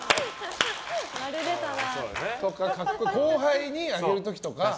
後輩にあげる時とか。